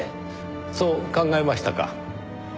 そう考えましたか？